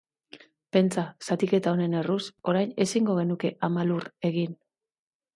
Pentsa, zatiketa honen erruz, orain ezingo genuke Ama Lur egin.